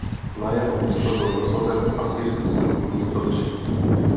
Na jeho místo byl dosazen asyrský místodržící.